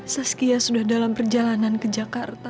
saskia sudah dalam perjalanan ke jakarta